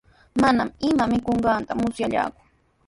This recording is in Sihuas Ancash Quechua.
Manami ima mikunqanta musyallaaku.